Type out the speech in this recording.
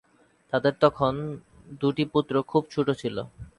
তখন তাঁদের দুটি পুত্র খুব ছোট ছিল।